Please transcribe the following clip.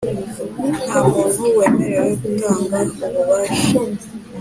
nta muntu wemerewe gutanga ububasha